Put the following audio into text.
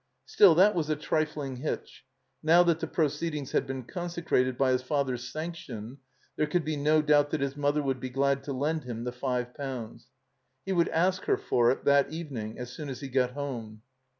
Still, that was a trifling hitch. Now that the proceedings had been consecrated by his father's sanction, there could be no doubt that his mother would be glad to lend him the five pounds. He would ask her for it that evening as soon as he got home.